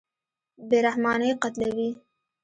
بېرحمانه یې قتلوي.